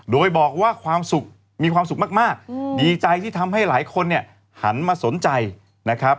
โดยบอกว่าความสุขมีความสุขมากดีใจที่ทำให้หลายคนเนี่ยหันมาสนใจนะครับ